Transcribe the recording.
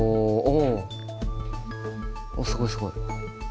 おっすごいすごい！